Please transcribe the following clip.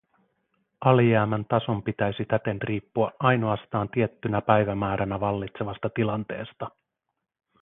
Alijäämän tason pitäisi täten riippua ainoastaan tiettynä päivämääränä vallitsevasta tilanteesta.